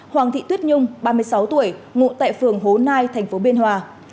hoàng thị tuyết nhung ba mươi sáu tuổi ngụ tại phường hố nai tp biên hòa